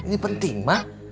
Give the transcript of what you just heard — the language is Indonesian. ini penting mah